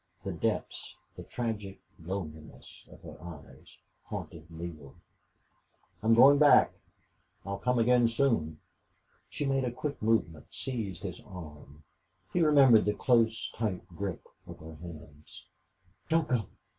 The depths the tragic lonesomeness of her eyes haunted Neale. "I'm going back. I'll come again soon." She made a quick movement seized his arm. He remembered the close, tight grip of her hands. "Don't go!"